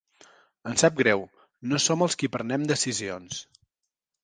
Ens sap greu, no som els qui prenem decisions.